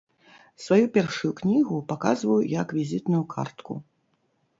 Сваю першую кнігу паказваю як візітную картку.